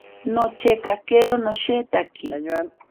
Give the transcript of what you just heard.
Nochekakero noshetaki.